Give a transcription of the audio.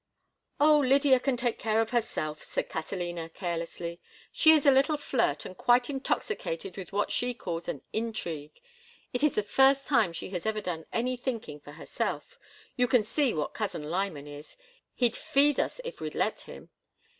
"Oh, Lydia can take care of herself," said Catalina, carelessly. "She is a little flirt and quite intoxicated with what she calls an intrigue. It is the first time she has ever done any thinking for herself—you can see what Cousin Lyman is; he'd feed us if we'd let him.